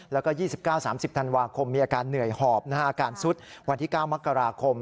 แล้วก็๒๙๓๐ธันวาคมมีอาการเหนื่อยหอบอาการซุดวันที่๙มกราคม